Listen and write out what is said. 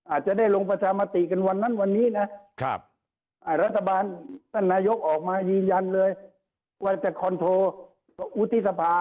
อาจจะได้ลงประชามติกันวันนั้นวันนี้นะรัฐบาลท่านนายกออกมายืนยันเลยว่าจะคอนโทรวุฒิสภา